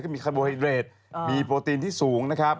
มีคาโบไฮเรดมีโปรตีนที่สูงนะครับ